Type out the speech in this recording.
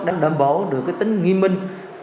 để đảm bảo được tính nghiêm minh